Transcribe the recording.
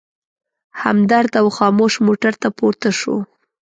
همدرد او خاموش موټر ته پورته شوو.